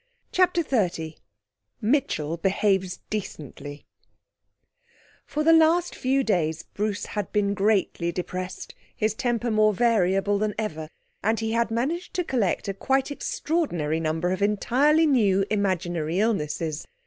CHAPTER XXX Mitchell Behaves Decently For the last few days Bruce had been greatly depressed, his temper more variable than ever, and he had managed to collect a quite extraordinary number of entirely new imaginary illnesses.